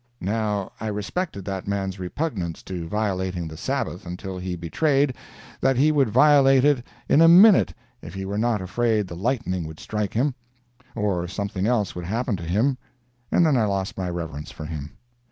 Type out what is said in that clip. Now I respected that man's repugnance to violating the Sabbath until he betrayed that he would violate it in a minute if he were not afraid the lightning would strike him, or something else would happen to him, and then I lost my reverence for him.